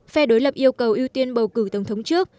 phe đối lập yêu cầu ưu tiên bầu cử tổng thống trước